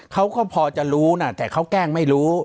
เขาก็พอจะรู้นะแต่เขาแกล้งไม่รู้